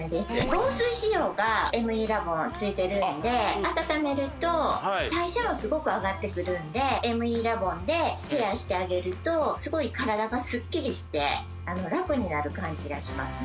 防水仕様がＭＥラボンついてるんで温めると代謝もすごく上がってくるんでＭＥラボンでケアしてあげるとすごい体がスッキリして楽になる感じがしますね